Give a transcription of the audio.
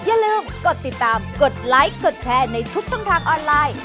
อย่าลืมกดติดตามกดไลค์กดแชร์ในทุกช่องทางออนไลน์